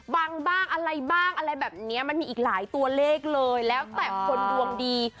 บ้างอะไรบ้างอะไรแบบนี้มันมีอีกหลายตัวเลขเลยแล้วแต่คนดวงดี